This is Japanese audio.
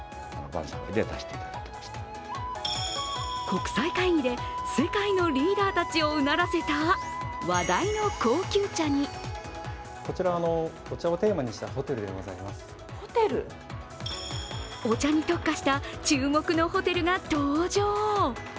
国際会議で世界のリーダーたちをうならせた話題の高級茶にお茶に特化した注目のホテルが登場。